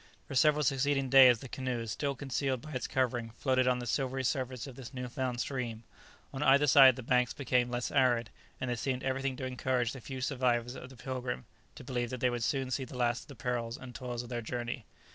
For several succeeding days the canoe, still concealed by its covering, floated on the silvery surface of this new found stream. On either side the banks became less arid, and there seemed everything to encourage the few survivors of the "Pilgrim" to believe that they would soon see the last of the perils and toils of their journey.